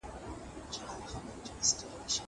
که وخت وي، کالي وچوم!!